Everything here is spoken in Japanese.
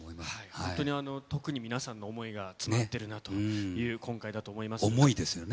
本当に特に皆さんの想いがつながってるなという今回だと思い想いですよね。